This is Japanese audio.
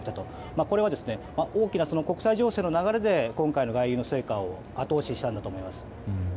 これは大きな国際情勢の流れで今回の外遊の成果を後押ししたんだと思います。